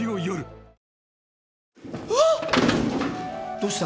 どうした？